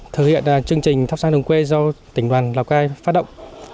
thực hiện chương trình thắp sáng đường quê do tỉnh đoàn lào cai phát động